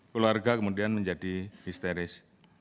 keluarga kemudian menjadi histeris